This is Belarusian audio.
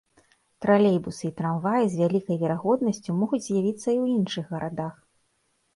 Тралейбусы і трамваі з вялікай верагоднасцю могуць з'явіцца і ў іншых гарадах.